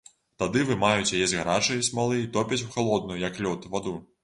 Тады вымаюць яе з гарачай смалы і топяць у халодную, як лёд, ваду.